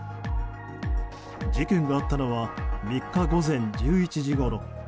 事件があったのは３日午前１１時ごろ。